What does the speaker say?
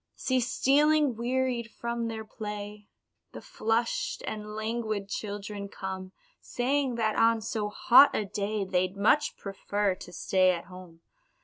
See stealing, wearied from their play, The flushed and languid children come, Saying that on so hot a day They'd much prefer to stay at home.